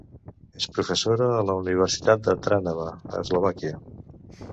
És professora a la Universitat de Trnava a Eslovàquia.